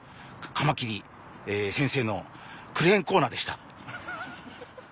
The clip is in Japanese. カマキリ先生のクレーンコーナーでした。